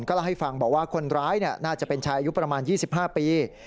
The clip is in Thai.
เล่าให้ฟังบอกว่าคนร้ายน่าจะเป็นชายอายุประมาณ๒๕ปี